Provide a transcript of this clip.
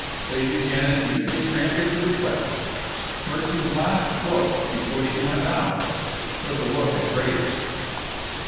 Lady Janet mutely granted the request. Mercy's last look, before she went out, was a look at Grace.